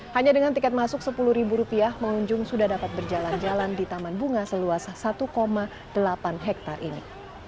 hanya dengan tiket masuk sepuluh rupiah pengunjung sudah dapat berjalan jalan di taman bunga seluas satu delapan hektare ini